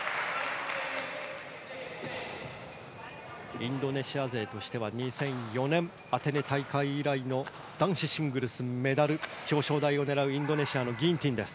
インドネシア勢としては２００４年アテネ大会以来の男子シングルスのメダル表彰台を狙うインドネシアのギンティンです。